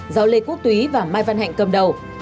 do lê quốc túy và mai văn hạnh cầm đầu